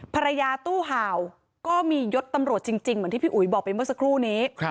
ตู้ห่าวก็มียศตำรวจจริงเหมือนที่พี่อุ๋ยบอกไปเมื่อสักครู่นี้